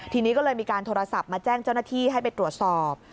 ทีนี้ก็เลยมีการโทรศัพท์มาแจ้งเจ้าหน้าที่ให้ไปตรวจสอบ